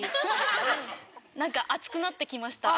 なんか熱くなってきました。